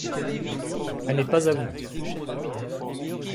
Elle n'est pas à vous!